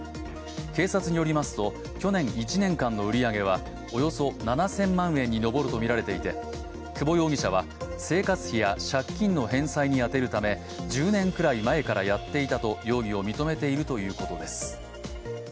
警察によりますと、去年１年間の売り上げはおよそ７０００万円に上るとみられていて久保容疑者は生活費や借金の返済に充てるため１０年くらい前からやっていたと容疑を認めているということです。